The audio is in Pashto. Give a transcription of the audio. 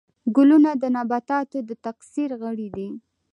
ګلونه د نباتاتو د تکثیر غړي دي